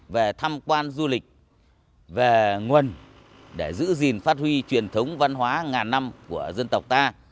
về tham quan du lịch về nguồn để giữ gìn phát huy truyền thống văn hóa ngàn năm của dân tộc ta